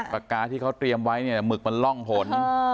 ปากกาที่เขาเตรียมไว้เนี่ยหมึกมันร่องหน